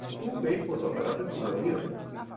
او به یک مسافرت طولانی رفت.